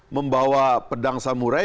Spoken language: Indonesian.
membawa pedang samurai